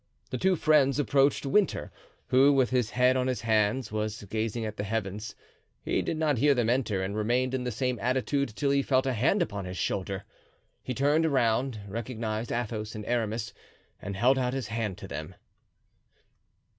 The two friends approached Winter, who, with his head on his hands, was gazing at the heavens; he did not hear them enter and remained in the same attitude till he felt a hand upon his shoulder. He turned around, recognized Athos and Aramis and held out his hand to them.